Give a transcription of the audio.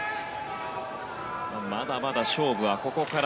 まだまだ、勝負はここから。